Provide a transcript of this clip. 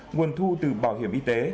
nguồn thu từ bảo hiểm y tế